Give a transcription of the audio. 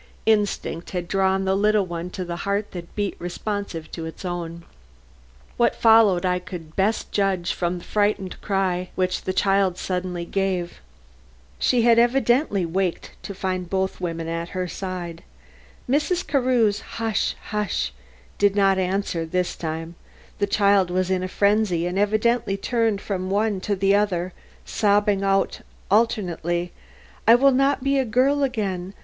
Instinct had drawn the little one to the heart that beat responsive to its own. What followed I could best judge from the frightened cry which the child suddenly gave. She had evidently waked to find both women at her bedside. Mrs. Carew's "Hush! hush!" did not answer this time; the child was in a frenzy, and evidently turned from one to the other, sobbing out alternately, "I will not be a girl again.